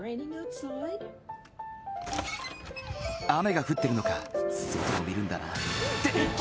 雨が降ってるのか外を見るんだなて！